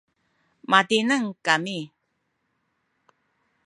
matineng kami